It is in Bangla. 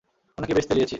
উনাকে বেশ তেলিয়েছি!